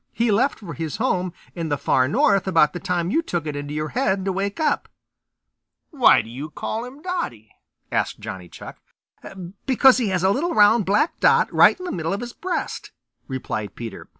He left for his home in the Far North about the time you took it into your head to wake up." "Why do you call him Dotty?" asked Johnny Chuck. "Because he has a little round black dot right in the middle of his breast," replied Peter.